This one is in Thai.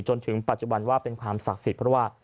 จนถึงปัจจุบันว่าเป็นความศักดิ์สิทธิ์เพราะว่า